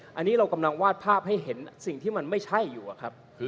อันนี้เรากำลังวาดภาพให้เห็นสิ่งที่มันไม่ใช่อยู่อะครับ